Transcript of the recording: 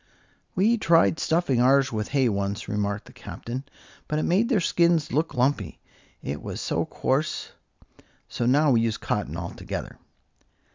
"We tried stuffing ours with hay once," remarked the Captain; "but it made their skins look lumpy, it was so coarse; so now we use cotton altogether."